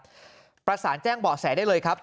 นั้นนะครับประสานแจ้งเบาะแสได้เลยครับ